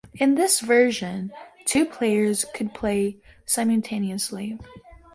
In this version, two players could play simultaneously.